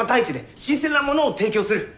新鮮なものを提供する。